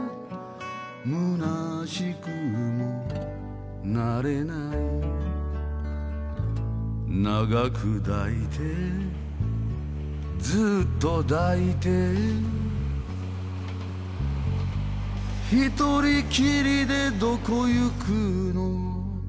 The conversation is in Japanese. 「むなしくもなれない」「長く抱いて」「ずっと抱いて」「一人きりでどこいくの」